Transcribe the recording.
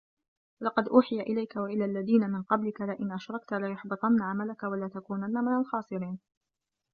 وَلَقَد أوحِيَ إِلَيكَ وَإِلَى الَّذينَ مِن قَبلِكَ لَئِن أَشرَكتَ لَيَحبَطَنَّ عَمَلُكَ وَلَتَكونَنَّ مِنَ الخاسِرينَ